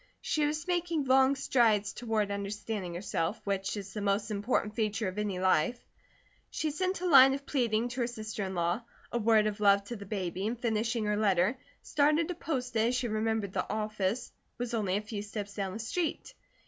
She was making long strides toward understanding herself, which is the most important feature of any life. She sent a line of pleading to her sister in law, a word of love to the baby, and finishing her letter, started to post it, as she remembered the office was only a few steps down the street.